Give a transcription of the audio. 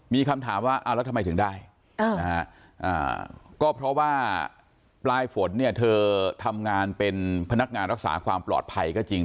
มีคำถามว่าแล้วทำไมถึงได้ก็เพราะว่าปลายฝนเนี่ยเธอทำงานเป็นพนักงานรักษาความปลอดภัยก็จริง